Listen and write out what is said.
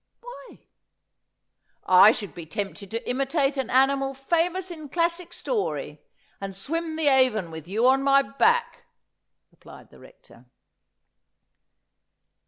' Why ?'' I should be tempted to imitate an animal famous in classic story, and swim the Avon with you on my back,' replied the Rector.